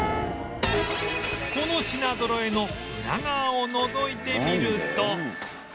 この品ぞろえのウラ側をのぞいてみると